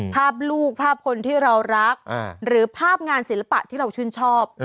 ภาพลูกภาพคนที่เรารักหรือภาพงานศิลปะที่เราชื่นชอบ